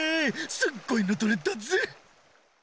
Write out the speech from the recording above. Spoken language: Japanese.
すっごいの撮れたぜ！